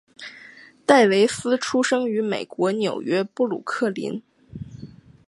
戴维斯出生于美国纽约布鲁克林。